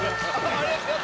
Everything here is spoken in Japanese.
・あれ？